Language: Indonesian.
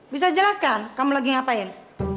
bisa jelaskan kamu lagi ngapain